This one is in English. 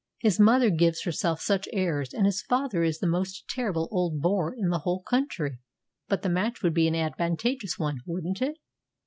His mother gives herself such airs, and his father is the most terrible old bore in the whole country." "But the match would be an advantageous one wouldn't it?"